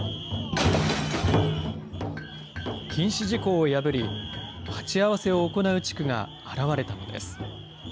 禁止事項を破り、鉢合わせを行う地区が現れたのです。